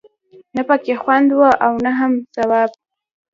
نه پکې خوند وي او نه هم ثواب.